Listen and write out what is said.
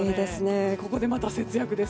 ここでまた節約です。